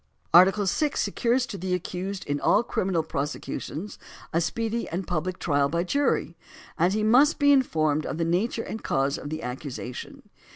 Article VI secures to the accused in all criminal prosecutions speedy and public trial by jury, and he must be informed of the nature and cause of the accusation.